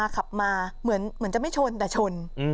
ขับมาเหมือนจะไม่ชนแต่ชน